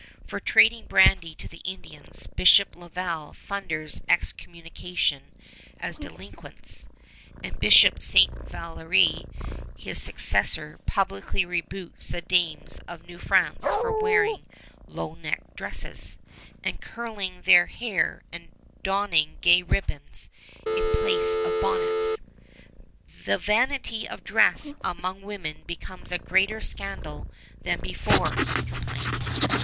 For trading brandy to the Indians, Bishop Laval thunders excommunication at delinquents; and Bishop St. Vallière, his successor, publicly rebukes the dames of New France for wearing low necked dresses, and curling their hair, and donning gay ribbons in place of bonnets. "The vanity of dress among women becomes a greater scandal than before," he complains.